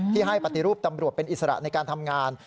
ให้ปฏิรูปตำรวจเป็นอิสระในการทำงาน